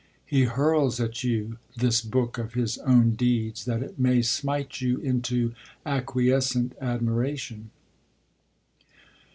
He hurls at you this book of his own deeds that it may smite you into acquiescent admiration.